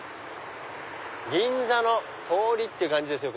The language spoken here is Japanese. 銀座の通りって感じですよ